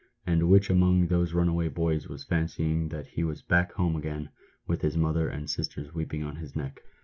— and which among those runaway boys was fancying that he was back home again, with his mother and sisters weeping on his neck